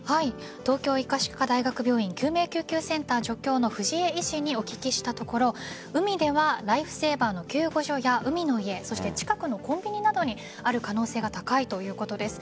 東京医科歯科大学病院救命救急センター助教の藤江医師にお聞きしたところ海ではライフセーバーの救護所や海の家近くのコンビニなどにある可能性が高いということです。